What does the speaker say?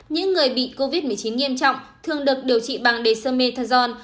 những người bị covid một mươi chín nghiêm trọng thường được điều trị bằng dexamethasone